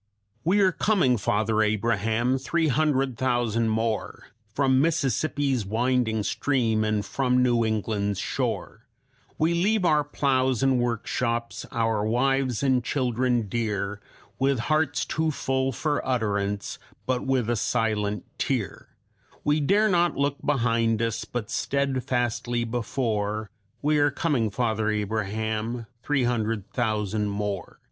"We are coming, Father Abraham three hundred thousand more, From Mississippi's winding stream and from New England's shore. We leave our plows and workshops, our wives and children dear, With hearts too full for utterance, with but a silent tear; We dare not look behind us, but steadfastly before We are coming, Father Abraham three hundred thousand more.